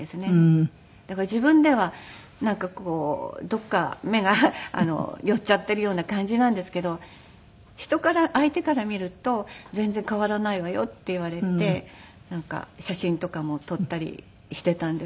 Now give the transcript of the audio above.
だから自分ではなんかこうどこか目が寄っちゃっているような感じなんですけど人から相手から見ると「全然変わらないわよ」って言われてなんか写真とかも撮ったりしていたんですけど。